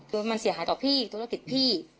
โดยมันเสียหายต่อพี่โดยติดพี่